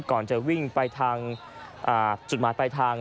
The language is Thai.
ก่อนจะวิ่งไปทางจุดหมายปลายทาง